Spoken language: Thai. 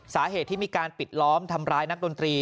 สาเหตุที่มีการปิดล้อมทำร้ายนักดนตรี